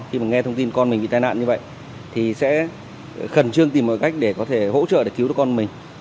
khi mà nghe thông tin con mình bị tai nạn như vậy thì sẽ khẩn trương tìm mọi cách để có thể hỗ trợ để cứu đứa con mình